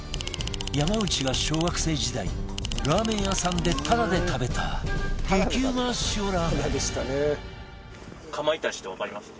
山内が小学生時代ラーメン屋さんでタダで食べた激うま塩ラーメン